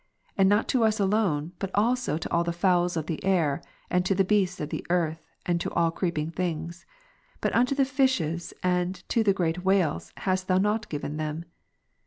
And not to us alone, but also to all the fowls of the air, and to the beasts of the earth, and to all creeping things ; but unto the fishes and to the great ivhales, hast Thou not given them.